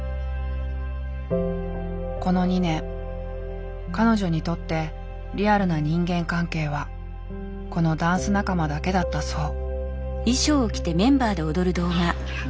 この２年彼女にとってリアルな人間関係はこのダンス仲間だけだったそう。